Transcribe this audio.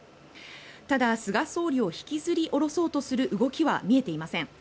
ただ、菅総理を引きずり下ろそうとする動きは見えていません。